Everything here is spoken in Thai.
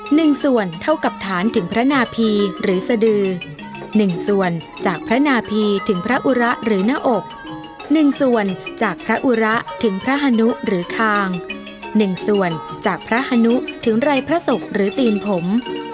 หนึ่งส่วนเท่ากับฐานถึงพระนาพีหรือสดือหนึ่งส่วนจากพระนาพีถึงพระอุระหรือหน้าอกหนึ่งส่วนจากพระอุระถึงพระฮนุหรือคางหนึ่งส่วนจากพระฮนุถึงไรพระศพหรือตีนผม